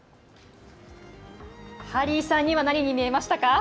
ハリーさんには何に見えましたか？